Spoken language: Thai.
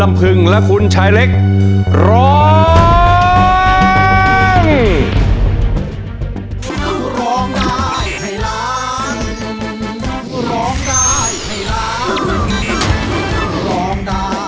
แม่เล็กร้อง